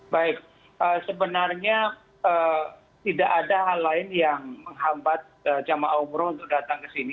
baik sebenarnya tidak ada hal lain yang menghambat jemaah umroh untuk datang ke sini